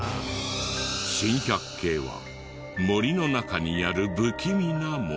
珍百景は森の中にある不気味なもの。